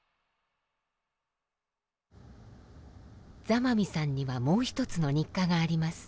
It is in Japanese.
座間味さんにはもう一つの日課があります。